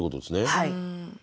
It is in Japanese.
はい。